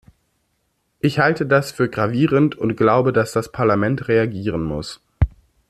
Ich halte das für gravierend und glaube, dass das Parlament reagieren muss.